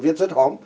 viết rất hóm